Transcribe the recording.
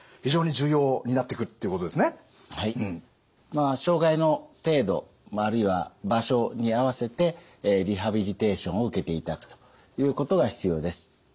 まあ障害の程度あるいは場所に合わせてリハビリテーションを受けていただくということが必要です。